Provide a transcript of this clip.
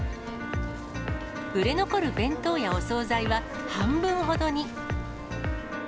売れ残る弁当やお総菜は半分ほどに。